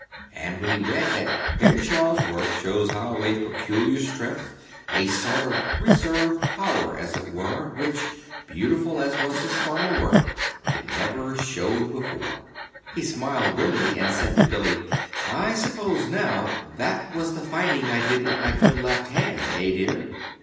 And when he read that "Henshaw's work shows now a peculiar strength, a sort of reserve power, as it were, which, beautiful as was his former work, it never showed before," he smiled grimly, and said to Billy: "I suppose, now, that was the fighting I did with my good left hand, eh, dear?"